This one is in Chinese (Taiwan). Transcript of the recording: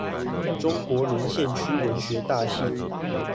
中國淪陷區文學大系